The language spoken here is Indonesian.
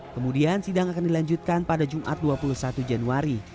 kemudian sidang akan dilanjutkan pada jumat dua puluh satu januari